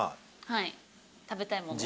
はい食べたいものを。